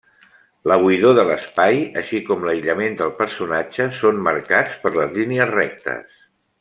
La buidor de l'espai, així com l'aïllament del personatge són marcats per les línies rectes.